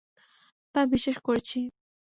তা বিশ্বাস করেছি।